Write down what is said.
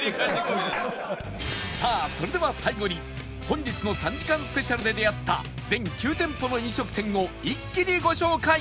さあそれでは最後に本日の３時間スペシャルで出会った全９店舗の飲食店を一気にご紹介！